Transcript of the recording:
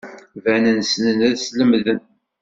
Banen ssnen ad slemden.